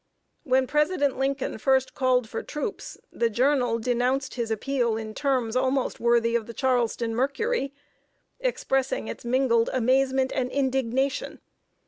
When President Lincoln first called for troops, The Journal denounced his appeal in terms almost worthy of The Charleston Mercury, expressing its "mingled amazement and indignation."